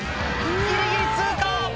ギリギリ通過！